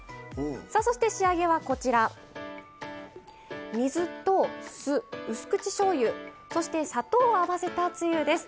そして、仕上げは、水と酢うす口しょうゆ、そして砂糖を合わせたつゆです。